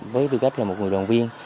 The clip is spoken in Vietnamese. với tư cách là một người đoàn viên